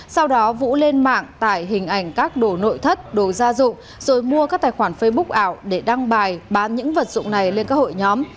sau đó vũ lên mạng tải hình ảnh các đồ nội thất đồ gia dụng rồi mua các tài khoản facebook ảo để đăng bài bán những vật dụng này lên các hội nhóm